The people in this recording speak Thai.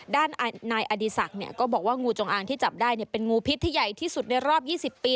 ด้านนายอดีศักดิ์ก็บอกว่างูจงอางที่จับได้เป็นงูพิษที่ใหญ่ที่สุดในรอบ๒๐ปี